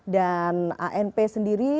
dan anp sendiri